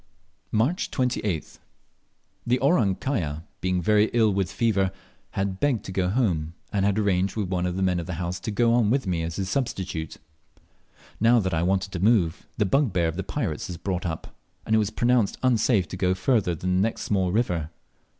March 28th. The "Orang kaya" being very ill with fever had begged to go home, and had arranged with one of the men of the house to go on with me as his substitute. Now that I wanted to move, the bugbear of the pirates was brought up, and it was pronounced unsafe to go further than the next small river.